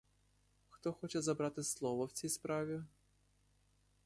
Хто хоче забрати слово в цій справі?